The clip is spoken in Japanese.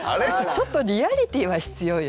ちょっとリアリティーは必要よね。